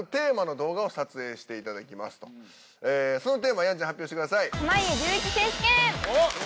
そのテーマやんちゃん発表してください。